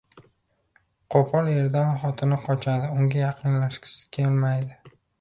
Qo‘pol erdan xotini qochadi, unga yaqinlashgisi kelmaydi.